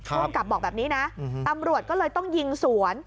ภูมิกับบอกแบบนี้นะตำรวจก็เลยต้องยิงสวน